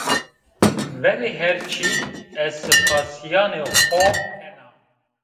Verê her çî ez sipasîyanê xo kena